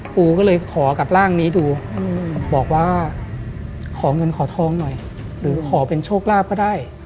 ครูก็เลยขอกับร่างนี้ดูบอกว่าขอเงินขอทองหน่อยหรือขอเป็นโชคลาภก็ได้